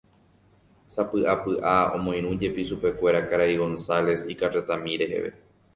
Sapy'apy'a omoirũjepi chupekuéra karai González ikarretami reheve.